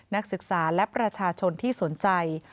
นักศึกษาและประชาชนที่สนใจ